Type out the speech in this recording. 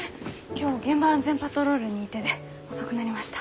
今日現場安全パトロールに行ってで遅くなりました。